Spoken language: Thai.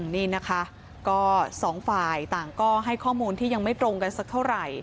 นี่นะคะก็สองฝ่ายต่างก็ให้ข้อมูลที่ยังไม่ตรงกันสักเท่าไหร่